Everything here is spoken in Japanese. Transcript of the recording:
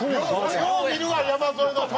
よう見るわ山添のそれ！